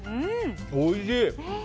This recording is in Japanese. おいしい。